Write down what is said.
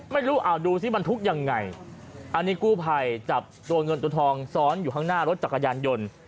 ไม่รู้เอาดูสิมันทุกข์ยังไงอันนี้กู้ภัยจับตัวเงินตัวทองซ้อนอยู่ข้างหน้ารถจักรยานยนต์